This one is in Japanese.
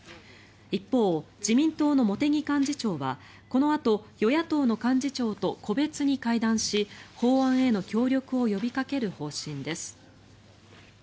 一方、自民党の茂木幹事長はこのあと与野党の幹事長と個別に会談し法案への協力を呼びかける方針です。